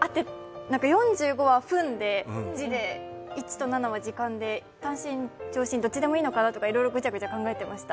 ４５は分で、時で、１と７は時間で短針、長針どっちでもいいのかなとごちゃごちゃ考えてました。